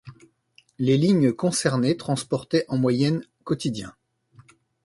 Les lignes concernées transportaient en moyenne quotidiens.